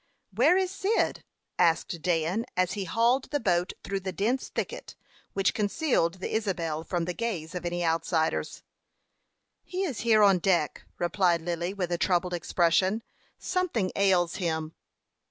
"Where is Cyd?" asked Dan, as he hauled the boat through the dense thicket which concealed the Isabel from the gaze of any outsiders. "He is here on deck," replied Lily, with a troubled expression. "Something ails him."